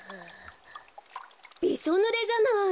びしょぬれじゃない！